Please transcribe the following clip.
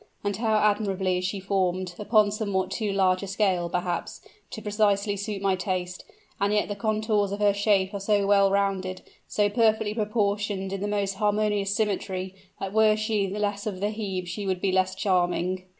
And how admirably is she formed upon somewhat too large a scale, perhaps, to precisely suit my taste, and yet the contours of her shape are so well rounded so perfectly proportioned in the most harmonious symmetry, that were she less of the Hebe she would be less charming."